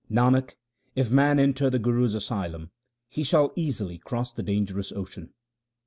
Nanak, if man enter the Guru's asylum, he shall easily cross the dangerous ocean.